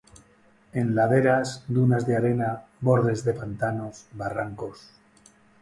En laderas, dunas de arena, bordes de pantanos, barrancos.